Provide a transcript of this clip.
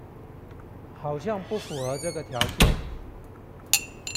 好像不符合這個條件